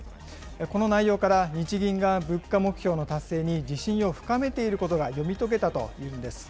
この内容から日銀が物価目標の達成に自信を深めていることが読み解けたというんです。